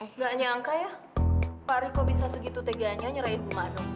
nggak nyangka ya pak rico bisa segitu teganya nyerahin ibu mano